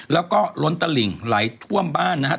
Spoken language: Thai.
แล้วก็ล้นตลิ่งไหลท่วมบ้านนะครับ